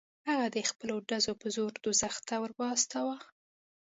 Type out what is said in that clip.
هغه د خپلو ډزو په زور دوزخ ته ور واستاوه.